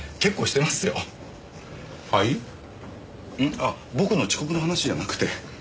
あ僕の遅刻の話じゃなくて？